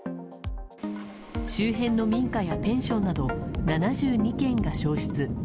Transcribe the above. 周辺の民家やペンションなど７２軒が焼失。